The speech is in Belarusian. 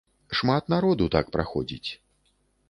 Шмат народу так праходзіць.